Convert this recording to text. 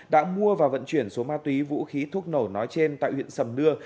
đã mua và vận chuyển số ma túy vũ khí thuốc nổ nói trên tại huyện sầm đưa